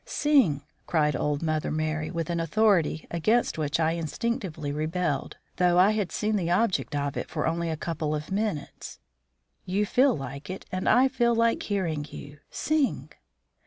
"Sing!" cried old Mother Merry, with an authority against which I instinctively rebelled, though I had seen the object of it for only a couple of minutes. "You feel like it, and I feel like hearing you. SING!"